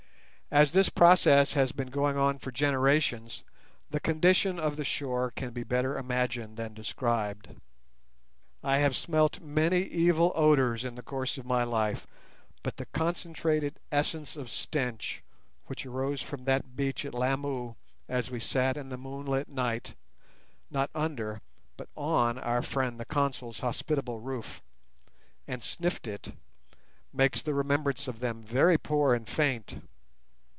As this process has been going on for generations, the condition of the shore can be better imagined than described. I have smelt many evil odours in the course of my life, but the concentrated essence of stench which arose from that beach at Lamu as we sat in the moonlit night—not under, but on our friend the Consul's hospitable roof—and sniffed it, makes the remembrance of them very poor and faint.